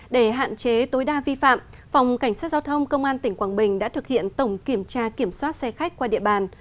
để hạn chế tối đa vi phạm phòng cảnh sát giao thông công an tỉnh quảng bình đã thực hiện tổng kiểm tra kiểm soát xe khách qua địa bàn